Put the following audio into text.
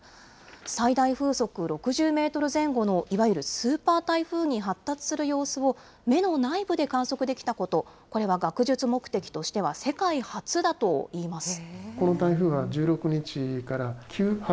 最大風速６０メートル前後の、いわゆるスーパー台風に発達する様子を、目の内部で観測できたこと、これは学術目的では世界初だといいます。